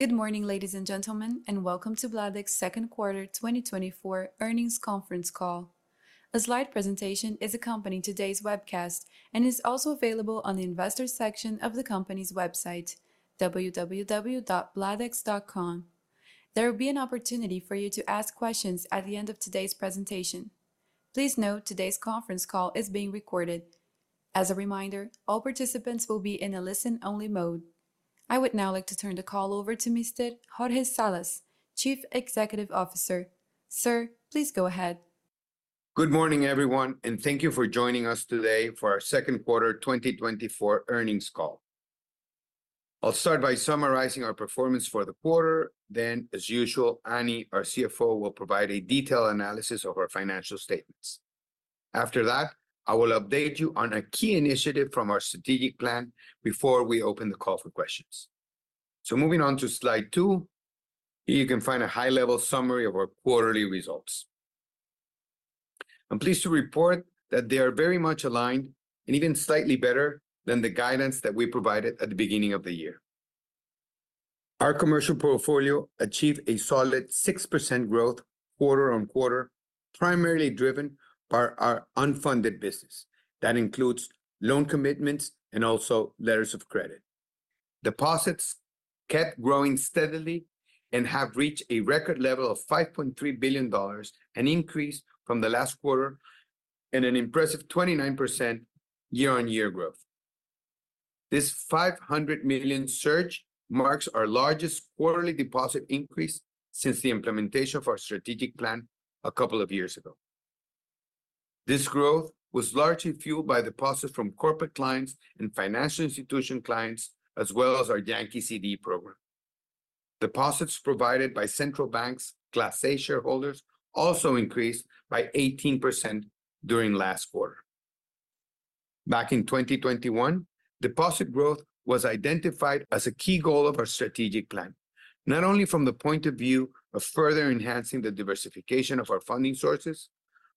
Good morning, ladies and gentlemen, and welcome to Bladex's second quarter 2024 earnings conference call. A slide presentation is accompanying today's webcast and is also available on the investor section of the company's website, www.bladex.com. There will be an opportunity for you to ask questions at the end of today's presentation. Please note today's conference call is being recorded. As a reminder, all participants will be in a listen-only mode. I would now like to turn the call over to Mr. Jorge Salas, Chief Executive Officer. Sir, please go ahead. Good morning, everyone, and thank you for joining us today for our second quarter 2024 earnings call. I'll start by summarizing our performance for the quarter. Then, as usual, Annie, our CFO, will provide a detailed analysis of our financial statements. After that, I will update you on a key initiative from our strategic plan before we open the call for questions. So, moving on to slide 2, you can find a high-level summary of our quarterly results. I'm pleased to report that they are very much aligned and even slightly better than the guidance that we provided at the beginning of the year. Our commercial portfolio achieved a solid 6% growth quarter-over-quarter, primarily driven by our unfunded business. That includes loan commitments and also letters of credit. Deposits kept growing steadily and have reached a record level of $5.3 billion, an increase from the last quarter, and an impressive 29% year-on-year growth. This $500 million surge marks our largest quarterly deposit increase since the implementation of our strategic plan a couple of years ago. This growth was largely fueled by deposits from corporate clients and financial institution clients, as well as our Yankee CD Program. Deposits provided by central banks Class A Shareholders also increased by 18% during the last quarter. Back in 2021, deposit growth was identified as a key goal of our strategic plan, not only from the point of view of further enhancing the diversification of our funding sources,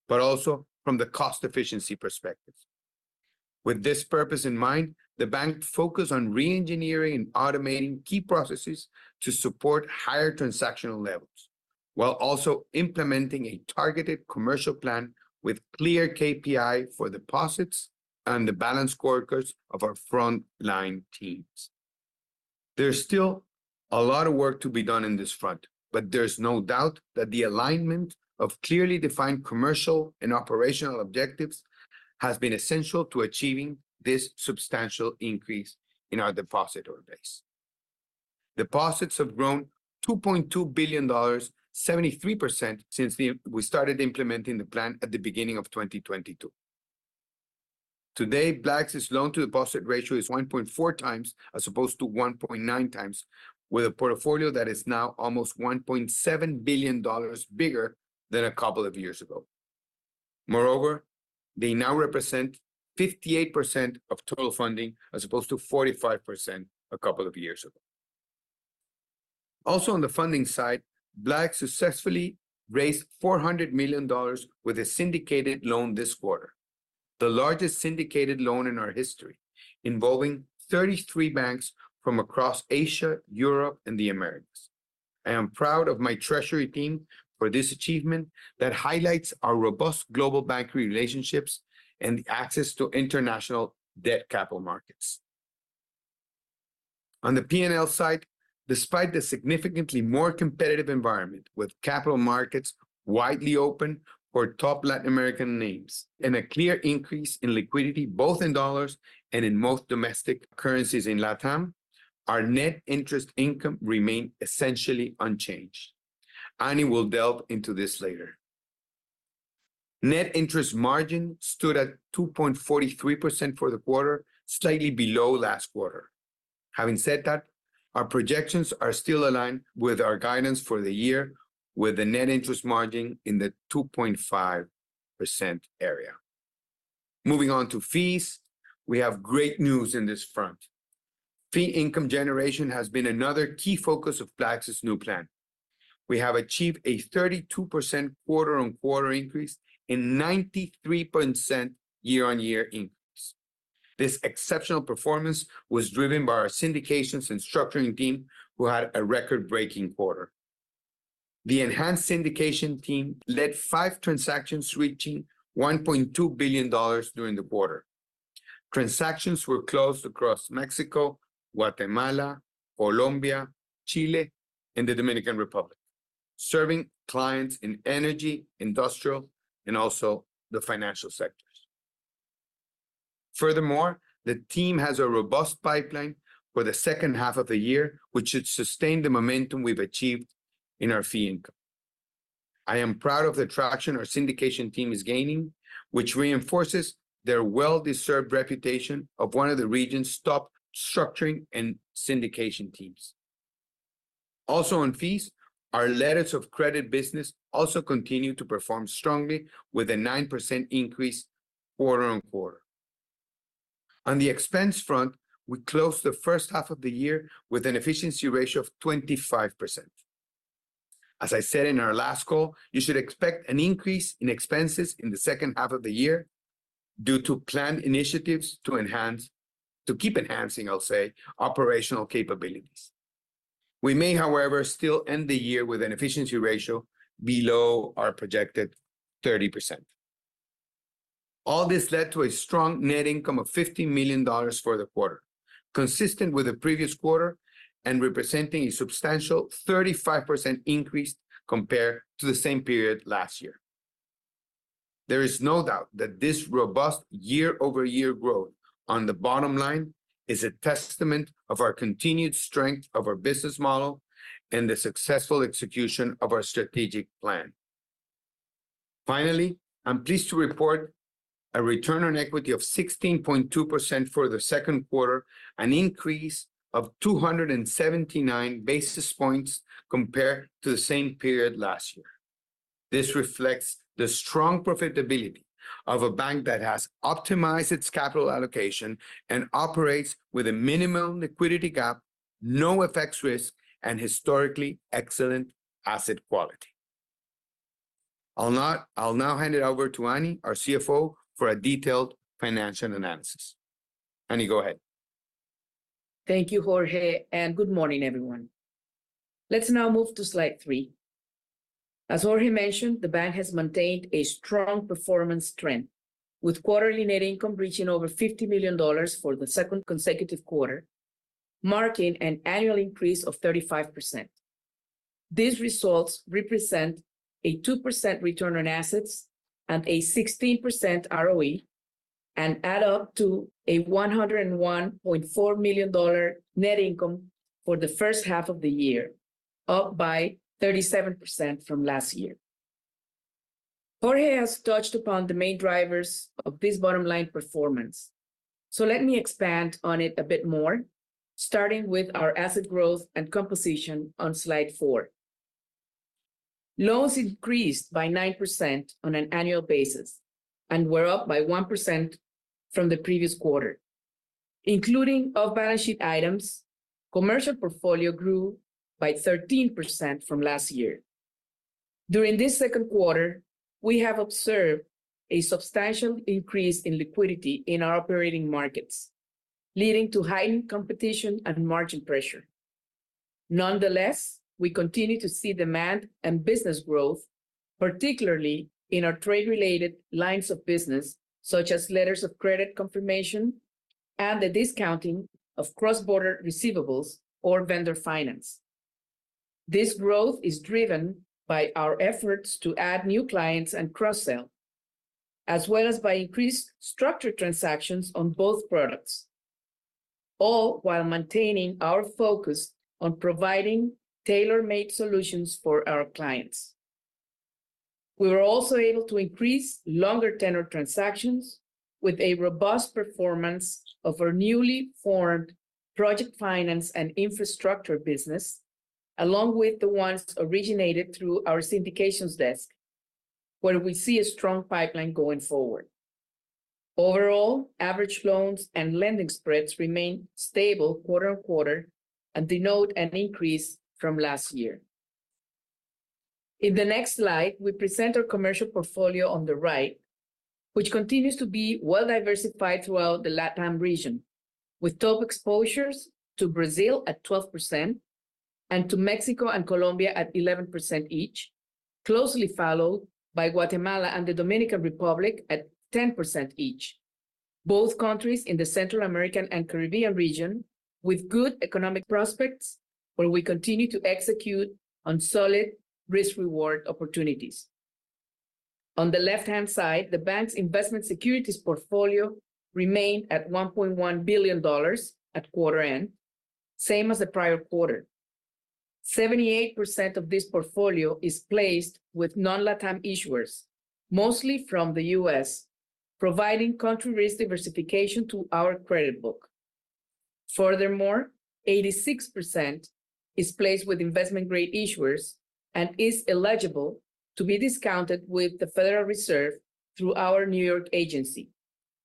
but also from the cost efficiency perspective. With this purpose in mind, the bank focused on re-engineering and automating key processes to support higher transactional levels, while also implementing a targeted commercial plan with clear KPIs for deposits and the balanced workers of our frontline teams. There's still a lot of work to be done in this front, but there's no doubt that the alignment of clearly defined commercial and operational objectives has been essential to achieving this substantial increase in our depositor base. Deposits have grown $2.2 billion, 73% since we started implementing the plan at the beginning of 2022. Today, Bladex's loan-to-deposit ratio is 1.4x as opposed to 1.9x, with a portfolio that is now almost $1.7 billion bigger than a couple of years ago. Moreover, they now represent 58% of total funding as opposed to 45% a couple of years ago. Also, on the funding side, Bladex successfully raised $400 million with a syndicated loan this quarter, the largest syndicated loan in our history, involving 33 banks from across Asia, Europe, and the Americas. I am proud of my treasury team for this achievement that highlights our robust global bank relationships and access to international debt capital markets. On the P&L side, despite the significantly more competitive environment with capital markets widely open for top Latin American names and a clear increase in liquidity both in dollars and in most domestic currencies in LATAM, our net interest income remained essentially unchanged. Annie will delve into this later. Net interest margin stood at 2.43% for the quarter, slightly below last quarter. Having said that, our projections are still aligned with our guidance for the year, with the net interest margin in the 2.5% area. Moving on to fees, we have great news in this front. Fee income generation has been another key focus of Bladex's new plan. We have achieved a 32% quarter-on-quarter increase and 93% year-on-year increase. This exceptional performance was driven by our syndications and structuring team, who had a record-breaking quarter. The enhanced syndication team led 5 transactions reaching $1.2 billion during the quarter. Transactions were closed across Mexico, Guatemala, Colombia, Chile, and the Dominican Republic, serving clients in energy, industrial, and also the financial sectors. Furthermore, the team has a robust pipeline for the second half of the year, which should sustain the momentum we've achieved in our fee income. I am proud of the traction our syndication team is gaining, which reinforces their well-deserved reputation of one of the region's top structuring and syndication teams. Also, on fees, our letters of credit business also continued to perform strongly, with a 9% increase quarter-on-quarter. On the expense front, we closed the first half of the year with an efficiency ratio of 25%. As I said in our last call, you should expect an increase in expenses in the second half of the year due to planned initiatives to enhance, to keep enhancing, I'll say, operational capabilities. We may, however, still end the year with an efficiency ratio below our projected 30%. All this led to a strong net income of $15 million for the quarter, consistent with the previous quarter and representing a substantial 35% increase compared to the same period last year. There is no doubt that this robust year-over-year growth on the bottom line is a testament to our continued strength of our business model and the successful execution of our strategic plan. Finally, I'm pleased to report a return on equity of 16.2% for the second quarter, an increase of 279 basis points compared to the same period last year. This reflects the strong profitability of a bank that has optimized its capital allocation and operates with a minimum liquidity gap, no FX risk, and historically excellent asset quality. I'll now hand it over to Annie, our CFO, for a detailed financial analysis. Annie, go ahead. Thank you, Jorge, and good morning, everyone. Let's now move to slide 3. As Jorge mentioned, the bank has maintained a strong performance trend, with quarterly net income reaching over $50 million for the second consecutive quarter, marking an annual increase of 35%. These results represent a 2% return on assets and a 16% ROE and add up to a $101.4 million net income for the first half of the year, up by 37% from last year. Jorge has touched upon the main drivers of this bottom line performance, so let me expand on it a bit more, starting with our asset growth and composition on slide 4. Loans increased by 9% on an annual basis and were up by 1% from the previous quarter. Including off-balance sheet items, commercial portfolio grew by 13% from last year. During this second quarter, we have observed a substantial increase in liquidity in our operating markets, leading to heightened competition and margin pressure. Nonetheless, we continue to see demand and business growth, particularly in our trade-related lines of business, such as letters of credit confirmation and the discounting of cross-border receivables or vendor finance. This growth is driven by our efforts to add new clients and cross-sell, as well as by increased structured transactions on both products, all while maintaining our focus on providing tailor-made solutions for our clients. We were also able to increase longer-tenor transactions with a robust performance of our newly formed project finance and infrastructure business, along with the ones originated through our syndications desk, where we see a strong pipeline going forward. Overall, average loans and lending spreads remain stable quarter on quarter and denote an increase from last year. In the next slide, we present our commercial portfolio on the right, which continues to be well-diversified throughout the LATAM region, with top exposures to Brazil at 12% and to Mexico and Colombia at 11% each, closely followed by Guatemala and the Dominican Republic at 10% each, both countries in the Central American and Caribbean region with good economic prospects, where we continue to execute on solid risk-reward opportunities. On the left-hand side, the bank's investment securities portfolio remained at $1.1 billion at quarter end, same as the prior quarter. 78% of this portfolio is placed with non-LATAM issuers, mostly from the U.S., providing country risk diversification to our credit book. Furthermore, 86% is placed with investment-grade issuers and is eligible to be discounted with the Federal Reserve through our New York agency,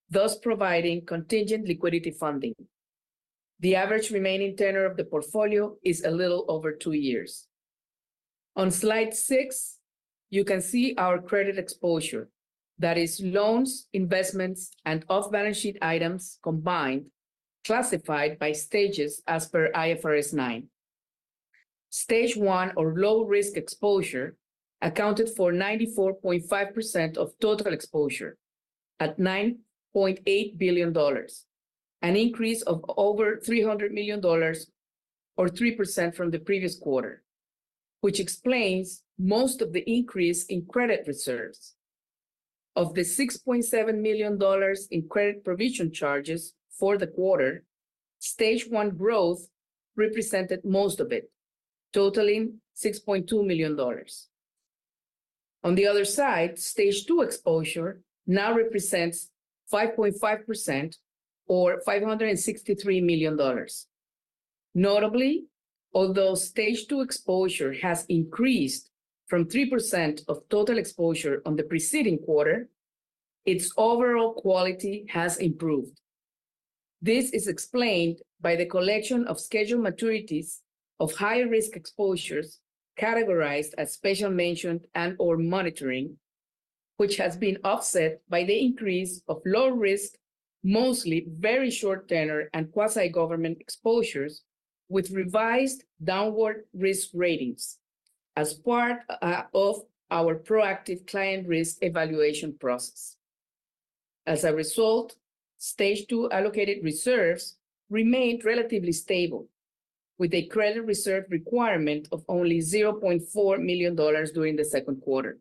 thus providing contingent liquidity funding. The average remaining tenor of the portfolio is a little over two years. On slide 6, you can see our credit exposure. That is loans, investments, and off-balance sheet items combined, classified by stages as per IFRS 9. Stage 1, or low-risk exposure, accounted for 94.5% of total exposure at $9.8 billion, an increase of over $300 million or 3% from the previous quarter, which explains most of the increase in credit reserves. Of the $6.7 million in credit provision charges for the quarter, stage one growth represented most of it, totaling $6.2 million. On the other side, stage 2 exposure now represents 5.5% or $563 million. Notably, although stage two exposure has increased from 3% of total exposure on the preceding quarter, its overall quality has improved. This is explained by the collection of scheduled maturities of high-risk exposures categorized as special mention and/or monitoring, which has been offset by the increase of low-risk, mostly very short-tenor and quasi-government exposures with revised downward risk ratings as part of our proactive client risk evaluation process. As a result, stage two allocated reserves remained relatively stable, with a credit reserve requirement of only $0.4 million during the second quarter.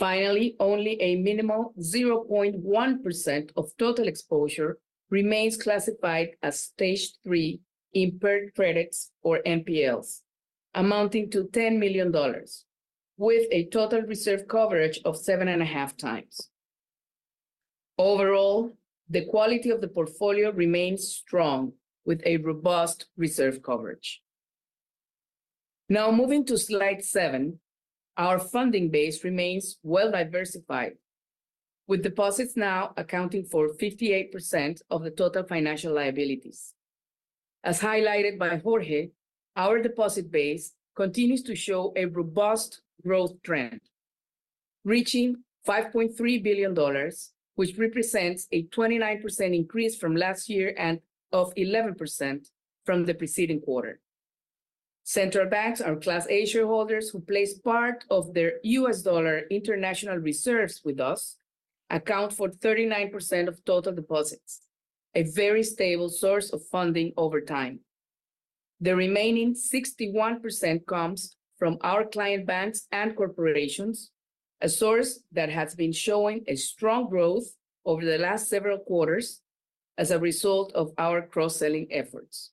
Finally, only a minimal 0.1% of total exposure remains classified as stage three impaired credits or NPLs, amounting to $10 million, with a total reserve coverage of 7.5x. Overall, the quality of the portfolio remains strong with a robust reserve coverage. Now, moving to slide 7, our funding base remains well-diversified, with deposits now accounting for 58% of the total financial liabilities. As highlighted by Jorge, our deposit base continues to show a robust growth trend, reaching $5.3 billion, which represents a 29% increase from last year and of 11% from the preceding quarter. Central banks, our Class A Shareholders who place part of their U.S. dollar international reserves with us, account for 39% of total deposits, a very stable source of funding over time. The remaining 61% comes from our client banks and corporations, a source that has been showing a strong growth over the last several quarters as a result of our cross-selling efforts.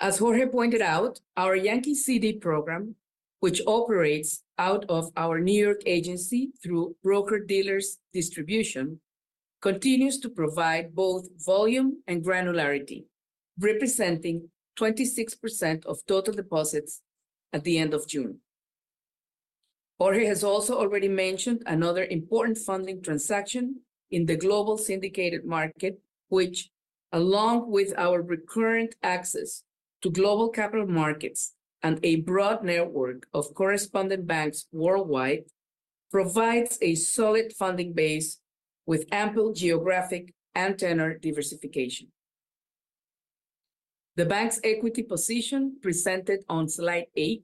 As Jorge pointed out, our Yankee CD Program, which operates out of our New York agency through broker-dealer distribution, continues to provide both volume and granularity, representing 26% of total deposits at the end of June. Jorge has also already mentioned another important funding transaction in the global syndicated market, which, along with our recurrent access to global capital markets and a broad network of correspondent banks worldwide, provides a solid funding base with ample geographic and tenor diversification. The bank's equity position presented on slide 8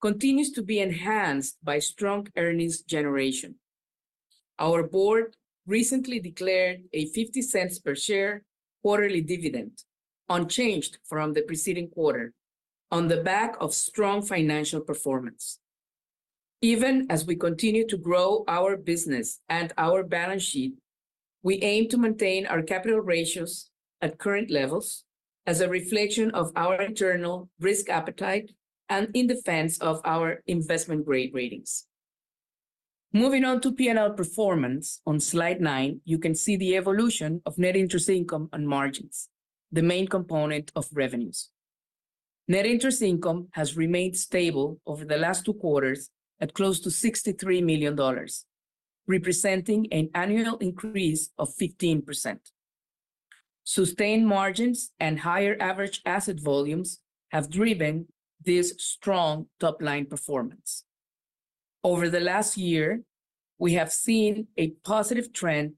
continues to be enhanced by strong earnings generation. Our board recently declared a $0.50 per share quarterly dividend, unchanged from the preceding quarter, on the back of strong financial performance. Even as we continue to grow our business and our balance sheet, we aim to maintain our capital ratios at current levels as a reflection of our internal risk appetite and in defense of our investment-grade ratings. Moving on to P&L performance, on slide 9, you can see the evolution of net interest income and margins, the main component of revenues. Net interest income has remained stable over the last two quarters at close to $63 million, representing an annual increase of 15%. Sustained margins and higher average asset volumes have driven this strong top-line performance. Over the last year, we have seen a positive trend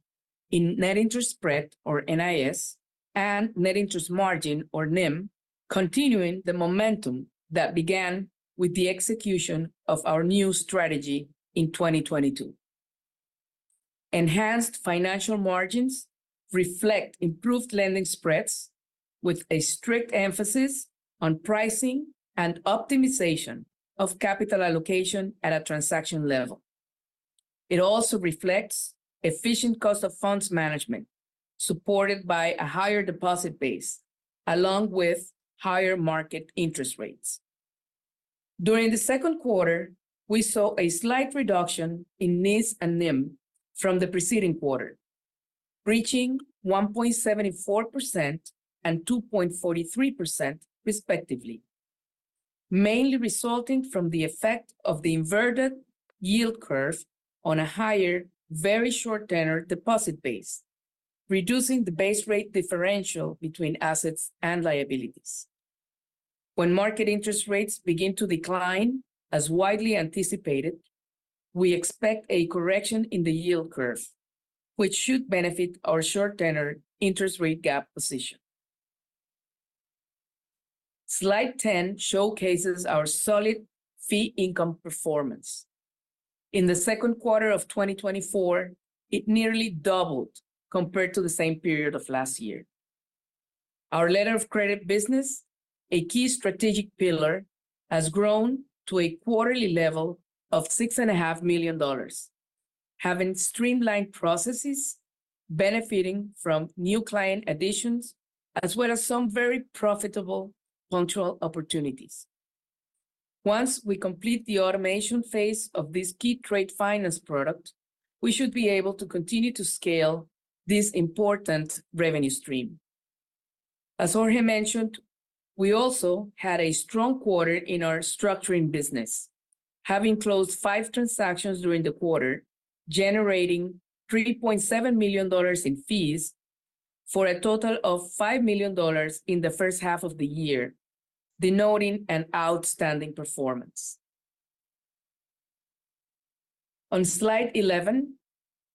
in net interest spread, or NIS, and net interest margin, or NIM, continuing the momentum that began with the execution of our new strategy in 2022. Enhanced financial margins reflect improved lending spreads with a strict emphasis on pricing and optimization of capital allocation at a transaction level. It also reflects efficient cost of funds management supported by a higher deposit base, along with higher market interest rates. During the second quarter, we saw a slight reduction in NIS and NIM from the preceding quarter, reaching 1.74% and 2.43%, respectively, mainly resulting from the effect of the inverted yield curve on a higher, very short-tenor deposit base, reducing the base rate differential between assets and liabilities. When market interest rates begin to decline, as widely anticipated, we expect a correction in the yield curve, which should benefit our short-tenor interest rate gap position. Slide 10 showcases our solid fee income performance. In the second quarter of 2024, it nearly doubled compared to the same period of last year. Our letter of credit business, a key strategic pillar, has grown to a quarterly level of $6.5 million, having streamlined processes benefiting from new client additions, as well as some very profitable punctual opportunities. Once we complete the automation phase of this key trade finance product, we should be able to continue to scale this important revenue stream. As Jorge mentioned, we also had a strong quarter in our structuring business, having closed 5 transactions during the quarter, generating $3.7 million in fees for a total of $5 million in the first half of the year, denoting an outstanding performance.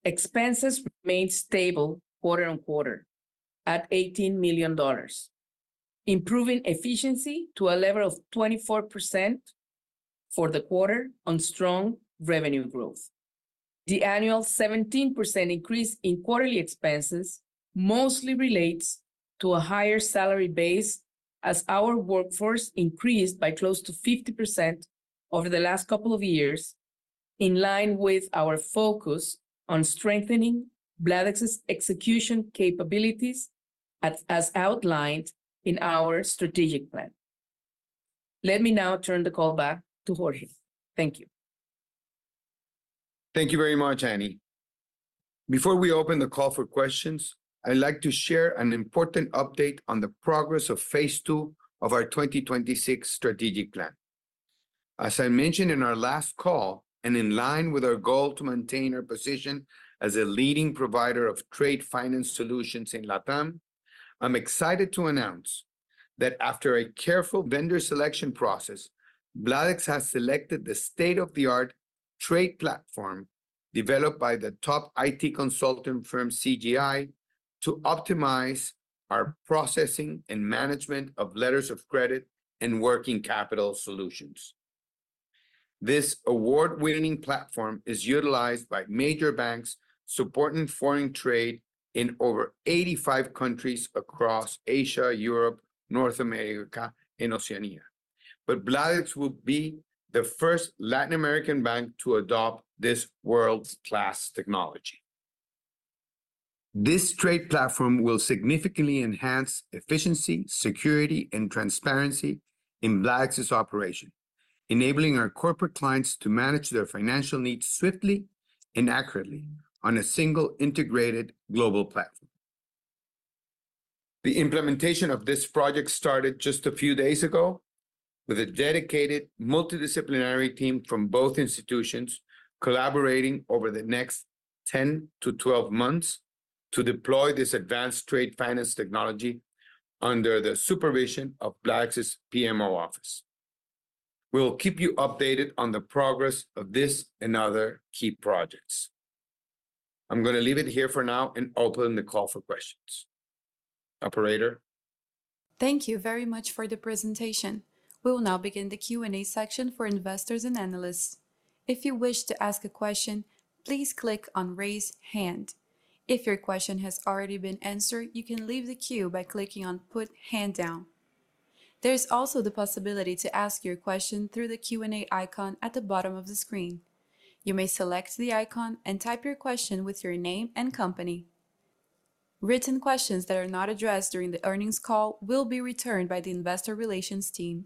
On slide 11, expenses remained stable quarter-over-quarter at $18 million, improving efficiency to a level of 24% for the quarter on strong revenue growth. The annual 17% increase in quarterly expenses mostly relates to a higher salary base as our workforce increased by close to 50% over the last couple of years, in line with our focus on strengthening Bladex's execution capabilities, as outlined in our strategic plan. Let me now turn the call back to Jorge. Thank you. Thank you very much, Annie. Before we open the call for questions, I'd like to share an important update on the progress of phase II of our 2026 strategic plan. As I mentioned in our last call and in line with our goal to maintain our position as a leading provider of trade finance solutions in LATAM, I'm excited to announce that after a careful vendor selection process, Bladex has selected the state-of-the-art trade platform developed by the top IT consulting firm CGI to optimize our processing and management of letters of credit and working capital solutions. This award-winning platform is utilized by major banks supporting foreign trade in over 85 countries across Asia, Europe, North America, and Oceania. Bladex will be the first Latin American bank to adopt this world-class technology. This trade platform will significantly enhance efficiency, security, and transparency in Bladex's operation, enabling our corporate clients to manage their financial needs swiftly and accurately on a single integrated global platform. The implementation of this project started just a few days ago with a dedicated multidisciplinary team from both institutions collaborating over the next 10 months-12 months to deploy this advanced trade finance technology under the supervision of Bladex's PMO office. We'll keep you updated on the progress of this and other key projects. I'm going to leave it here for now and open the call for questions. Operator. Thank you very much for the presentation. We will now begin the Q&A section for investors and analysts. If you wish to ask a question, please click on "Raise Hand." If your question has already been answered, you can leave the queue by clicking on "Put Hand Down." There's also the possibility to ask your question through the Q&A icon at the bottom of the screen. You may select the icon and type your question with your name and company. Written questions that are not addressed during the earnings call will be returned by the investor relations team.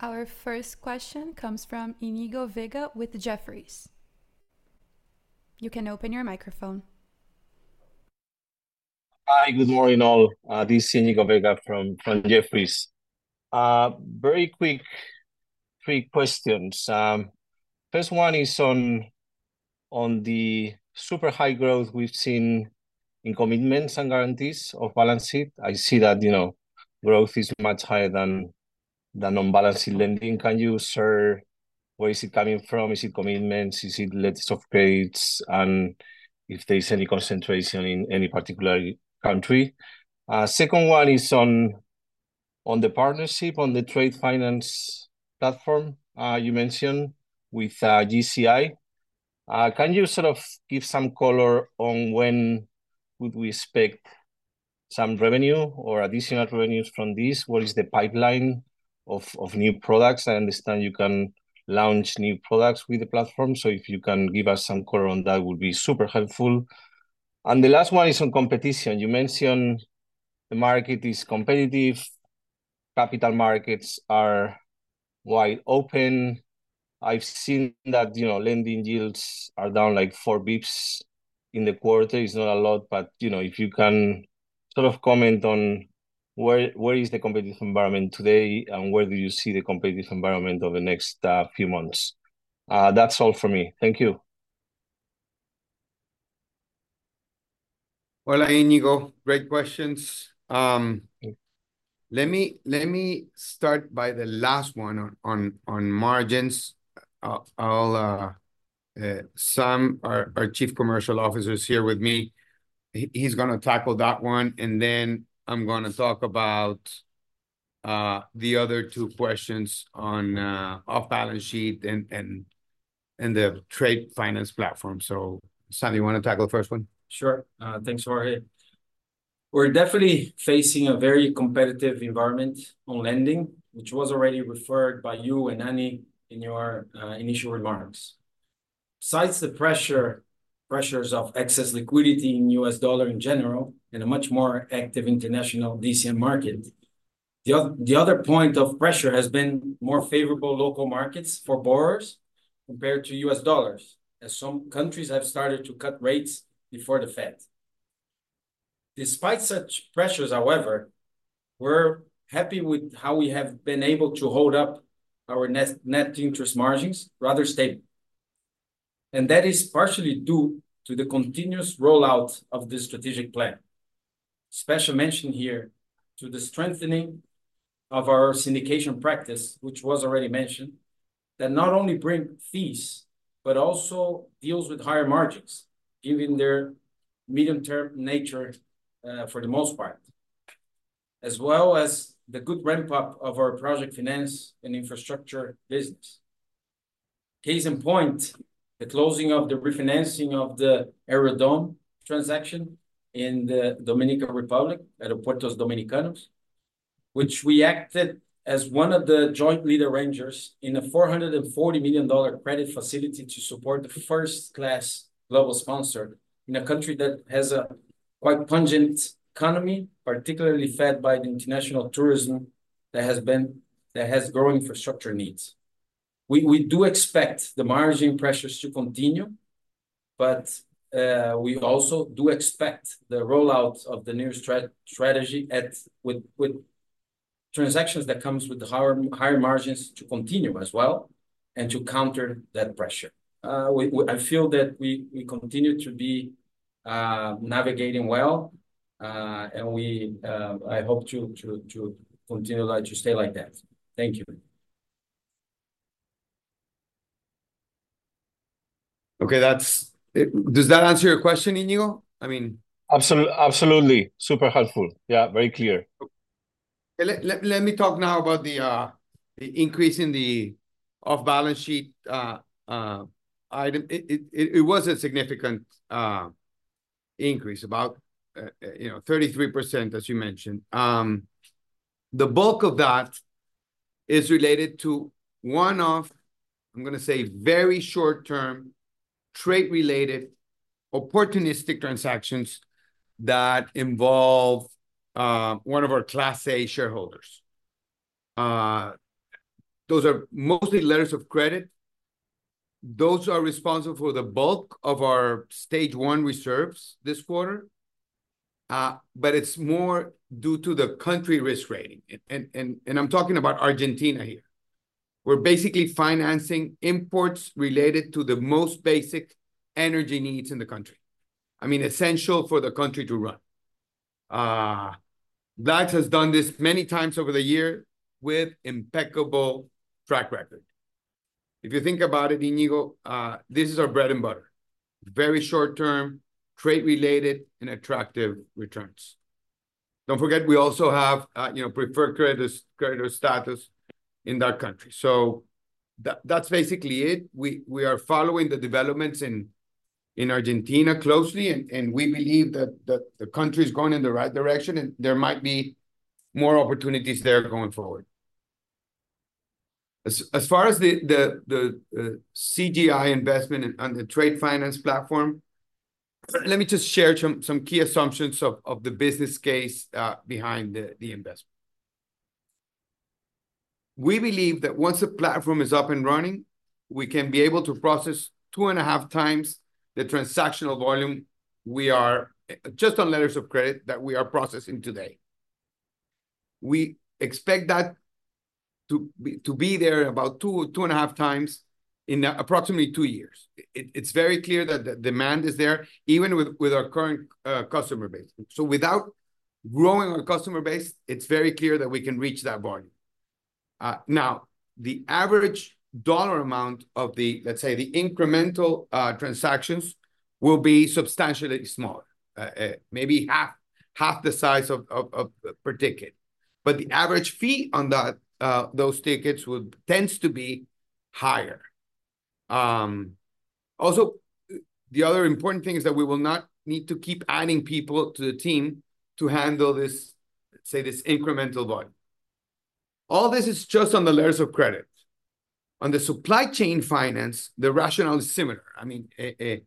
Our first question comes from Iñigo Vega with Jefferies. You can open your microphone. Hi, good morning all. This is Iñigo Vega from Jefferies. Very quick, three questions. First one is on the super high growth we've seen in commitments and guarantees of balance sheet. I see that, you know, growth is much higher than non-balance sheet lending. Can you share where is it coming from? Is it commitments? Is it letters of credit? And if there's any concentration in any particular country? Second one is on the partnership on the trade finance platform you mentioned with CGI. Can you sort of give some color on when would we expect some revenue or additional revenues from this? What is the pipeline of new products? I understand you can launch new products with the platform. So if you can give us some color on that, it would be super helpful. And the last one is on competition. You mentioned the market is competitive. Capital markets are wide open. I've seen that, you know, lending yields are down like 4 bps in the quarter. It's not a lot, but you know, if you can sort of comment on where is the competitive environment today and where do you see the competitive environment over the next few months? That's all for me. Thank you. Well, Iñigo, great questions. Let me start by the last one on margins. Sam, our Chief Commercial Officer, is here with me. He's going to tackle that one. And then I'm going to talk about the other two questions on off-balance sheet and the trade finance platform. So Sam, do you want to tackle the first one? Sure. Thanks, Jorge. We're definitely facing a very competitive environment on lending, which was already referred by you and Annie in your initial remarks. Besides the pressures of excess liquidity in U.S. dollar in general and a much more active international DCM market, the other point of pressure has been more favorable local markets for borrowers compared to U.S. dollars, as some countries have started to cut rates before the Fed. Despite such pressures, however, we're happy with how we have been able to hold up our net interest margins rather stable. And that is partially due to the continuous rollout of the strategic plan. Special mention here to the strengthening of our syndication practice, which was already mentioned, that not only brings fees, but also deals with higher margins, given their medium-term nature for the most part, as well as the good ramp-up of our project finance and infrastructure business. Case in point, the closing of the refinancing of the Aerodom transaction in the Dominican Republic, Aeropuertos Dominicanos, which we acted as one of the joint lead arrangers in a $440 million credit facility to support the first-class global sponsor in a country that has a quite buoyant economy, particularly fed by the international tourism that has been growing infrastructure needs. We do expect the margin pressures to continue, but we also do expect the rollout of the new strategy with transactions that come with the higher margins to continue as well and to counter that pressure. I feel that we continue to be navigating well, and I hope to continue to stay like that. Thank you. Okay, does that answer your question, Iñigo? I mean. Absolutely. Absolutely. Super helpful. Yeah, very clear. Let me talk now about the increase in the off-balance sheet item. It was a significant increase, about 33%, as you mentioned. The bulk of that is related to one of, I'm going to say, very short-term trade-related opportunistic transactions that involve one of our Class A Shareholders. Those are mostly letters of credit. Those are responsible for the bulk of our Stage 1 reserves this quarter, but it's more due to the country risk rating. I'm talking about Argentina here. We're basically financing imports related to the most basic energy needs in the country. I mean, essential for the country to run. Bladex has done this many times over the year with impeccable track record. If you think about it, Iñigo, this is our bread and butter. Very short-term, trade-related, and attractive returns. Don't forget we also have preferred creditor status in that country. So that's basically it. We are following the developments in Argentina closely, and we believe that the country is going in the right direction, and there might be more opportunities there going forward. As far as the CGI investment and the trade finance platform, let me just share some key assumptions of the business case behind the investment. We believe that once the platform is up and running, we can be able to process 2.5x the transactional volume we are just on letters of credit that we are processing today. We expect that to be there about 2.5x in approximately 2 years. It's very clear that the demand is there, even with our current customer base. So without growing our customer base, it's very clear that we can reach that volume. Now, the average dollar amount of the, let's say, the incremental transactions will be substantially smaller, maybe half the size of per ticket. But the average fee on those tickets tends to be higher. Also, the other important thing is that we will not need to keep adding people to the team to handle this, say, this incremental volume. All this is just on the letters of credit. On the supply chain finance, the rationale is similar. I mean, it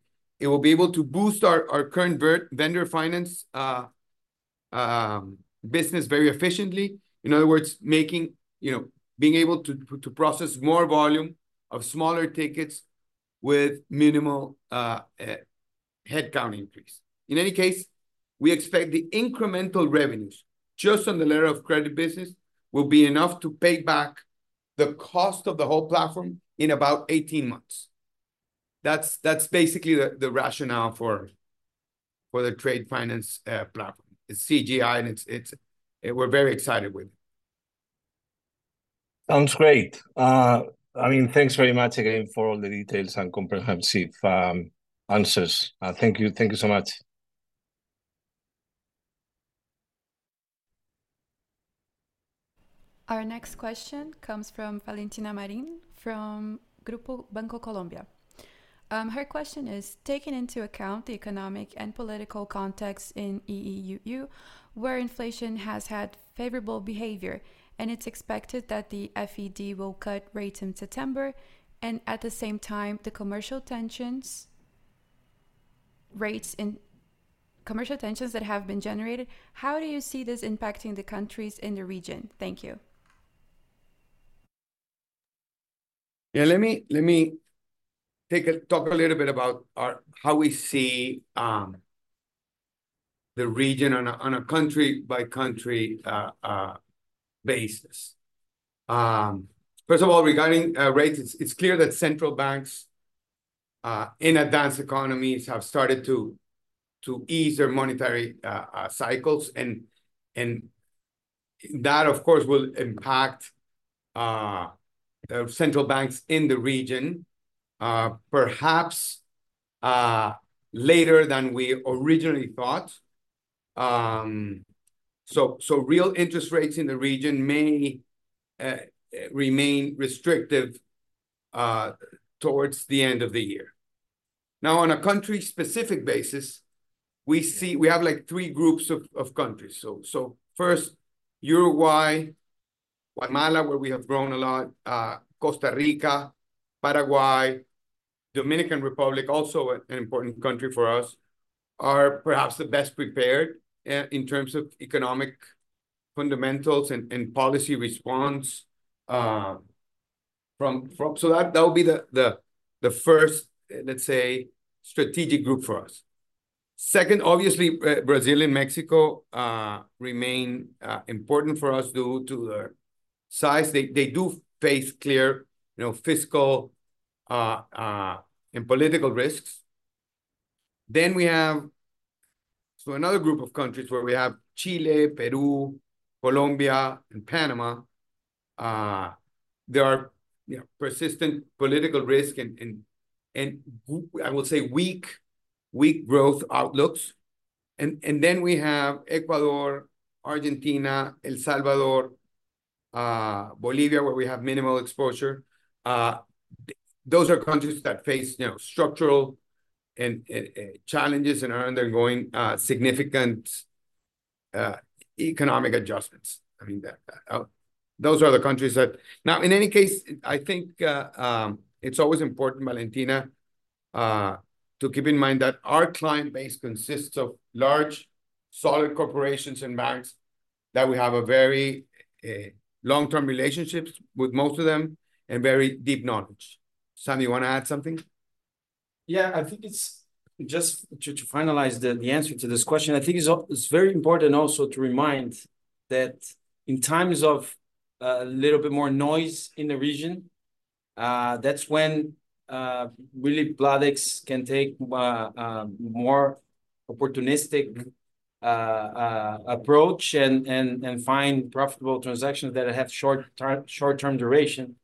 will be able to boost our current vendor finance business very efficiently. In other words, making, being able to process more volume of smaller tickets with minimal headcount increase. In any case, we expect the incremental revenues just on the letter of credit business will be enough to pay back the cost of the whole platform in about 18 months. That's basically the rationale for the trade finance platform. It's CGI, and we're very excited with it. Sounds great. I mean, thanks very much again for all the details and comprehensive answers. Thank you. Thank you so much. Our next question comes from Valentina Marín from Grupo Bancolombia. Her question is, taking into account the economic and political context in the U.S., where inflation has had favorable behavior, and it's expected that the Fed will cut rates in September, and at the same time, the commercial tensions that have been generated, how do you see this impacting the countries in the region? Thank you. Yeah, let me talk a little bit about how we see the region on a country-by-country basis. First of all, regarding rates, it's clear that central banks in advanced economies have started to ease their monetary cycles. And that, of course, will impact central banks in the region, perhaps later than we originally thought. So real interest rates in the region may remain restrictive towards the end of the year. Now, on a country-specific basis, we have three groups of countries. So first, Uruguay, Guatemala, where we have grown a lot, Costa Rica, Paraguay, Dominican Republic, also an important country for us, are perhaps the best prepared in terms of economic fundamentals and policy response. So that will be the first, let's say, strategic group for us. Second, obviously, Brazil and Mexico remain important for us due to their size. They do face clear fiscal and political risks. Then we have another group of countries where we have Chile, Peru, Colombia, and Panama. There are persistent political risks and, I will say, weak growth outlooks. And then we have Ecuador, Argentina, El Salvador, Bolivia, where we have minimal exposure. Those are countries that face structural challenges and are undergoing significant economic adjustments. I mean, those are the countries that now, in any case, I think it's always important, Valentina, to keep in mind that our client base consists of large, solid corporations and banks that we have very long-term relationships with most of them and very deep knowledge. Sam, you want to add something? Yeah, I think it's just to finalize the answer to this question. I think it's very important also to remind that in times of a little bit more noise in the region, that's when really Bladex can take a more opportunistic approach and find profitable transactions that have short-term duration.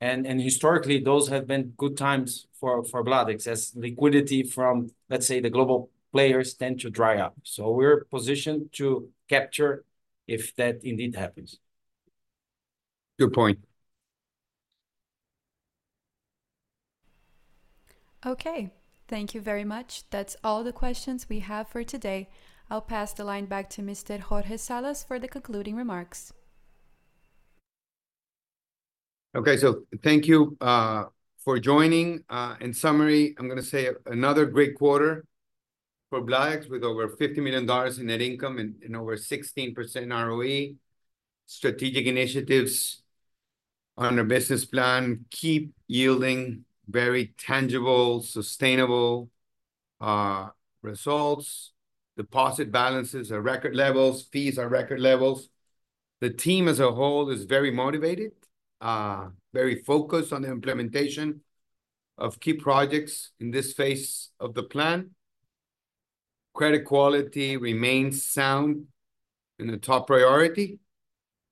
And historically, those have been good times for Bladex as liquidity from, let's say, the global players tend to dry up. So we're positioned to capture if that indeed happens. Good point. Okay. Thank you very much. That's all the questions we have for today. I'll pass the line back to Mr. Jorge Salas for the concluding remarks. Okay. So thank you for joining. In summary, I'm going to say another great quarter for Bladex with over $50 million in net income and over 16% ROE. Strategic initiatives on our business plan keep yielding very tangible, sustainable results. Deposit balances are record levels. Fees are record levels. The team as a whole is very motivated, very focused on the implementation of key projects in this phase of the plan. Credit quality remains sound and a top priority.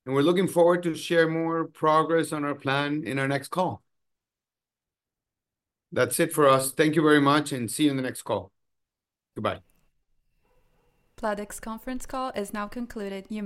And we're looking forward to share more progress on our plan in our next call. That's it for us. Thank you very much, and see you in the next call. Goodbye. Bladex's conference call is now concluded.